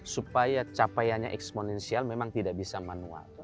supaya capaiannya eksponensial memang tidak bisa manual